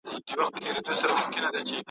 عُمر مي دي ستاسی، وايي بله ورځ.